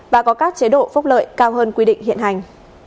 và có các chế độ phúc lợi cao hơn quy định hiện hành